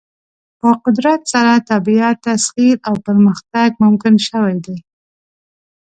په قدرت سره طبیعت تسخیر او پرمختګ ممکن شوی دی.